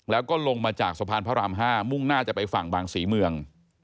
แล้วก็ลงมาจากสะพานพระราม๕มุ่งหน้าจะไปฝั่งบางศรีเมือง